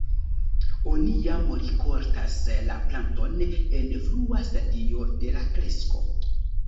Oni jam rikoltas la planton en frua stadio de la kresko.